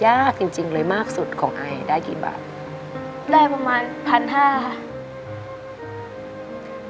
ยากจริงจริงเลยมากสุดของไอได้กี่บาทได้ประมาณพันห้าค่ะ